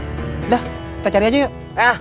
udah kita cari aja yuk